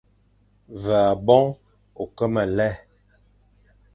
Ve aboñ ô ke me lè,